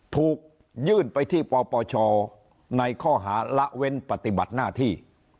ถูกยื่นไปที่ปปชในข้อหาละเว้นปฏิบัติหน้าที่